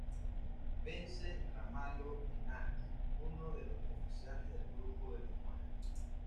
Vence Ramalho Eanes, uno de los oficiales del Grupo de los Nueve.